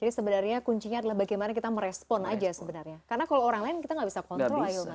jadi sebenarnya kuncinya adalah bagaimana kita merespon aja sebenarnya karena kalau orang lain kita gak bisa kontrol ya